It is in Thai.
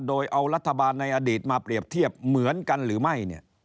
โดยเอารัฐบาลในอดีตมาเปรียบเทียบเหมือนกันหรือไม่เนี่ย